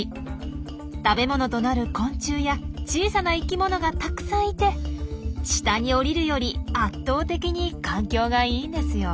食べ物となる昆虫や小さな生きものがたくさんいて下に降りるより圧倒的に環境がいいんですよ。